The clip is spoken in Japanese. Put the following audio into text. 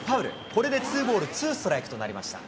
これでツーボールツーストライクとなりました。